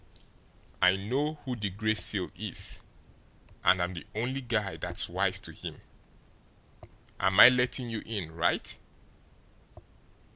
I know who the Gray Seal is and I'm the only guy that's wise to him. Am I letting you in right?"